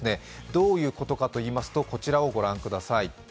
どういうことかといいますと、こちらをご覧ください。